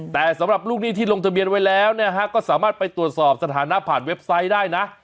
แต่สำหรับลูกหนี้ที่ลงทะเบียนไว้แล้วเนี่ยฮะก็สามารถไปตรวจสอบสถานะผ่านเว็บไซต์ได้นะ